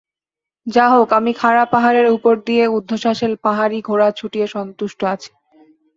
যা হোক আমি খাড়া পাহাড়ের উপর দিয়ে ঊর্ধ্বশ্বাসে পাহাড়ী ঘোড়া ছুটিয়েই সন্তুষ্ট আছি।